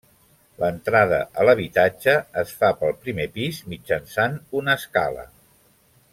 L'entrada a l'habitatge es fa pel primer pis mitjançant una escala.